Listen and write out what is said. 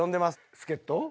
助っ人？